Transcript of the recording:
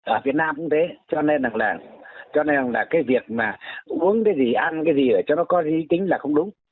ở việt nam cũng thế cho nên là cái việc mà uống cái gì ăn cái gì để cho nó có ý tính là không đúng